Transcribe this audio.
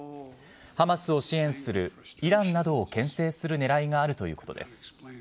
ハマスを支援するイランなどをけん制するねらいがあるということです。